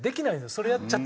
それやっちゃって